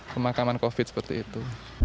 pemakaman covid seperti itu